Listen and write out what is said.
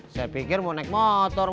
saya pikir mau naik motor mau naik mobil